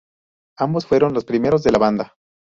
Ambos fueron los primeros de la banda.